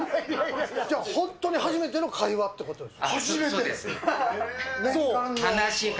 じゃあ本当に初めての会話ということですか？